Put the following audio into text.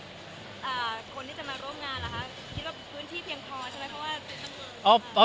คนที่จะมาร่วมงานเหรอคะคิดว่าพื้นที่เพียงพอใช่ไหม